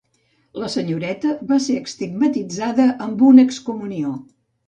La senyoreta va ser estigmatitzada amb una excomunió.